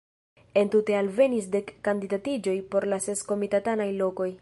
Entute alvenis dek kandidatiĝoj por la ses komitatanaj lokoj.